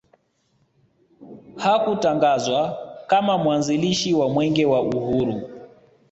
Hakutangazwa kama mwanzilishi wa Mwenge wa Uhuru